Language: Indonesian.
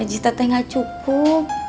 raja teteh gak cukup